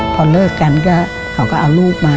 พอเลิกกันก็เขาก็เอาลูกมา